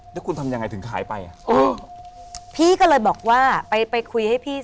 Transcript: แล้วคุณทำยังไงถึงขายไปอ่ะเออพี่ก็เลยบอกว่าไปไปคุยให้พี่